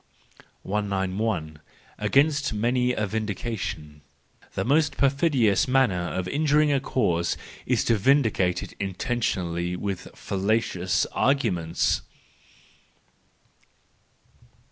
*" 191. Against many a Vindication .—The most per¬ fidious manner of injuring a cause is to vindicate it intentionally with fallacious arguments.